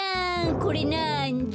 これなんだ？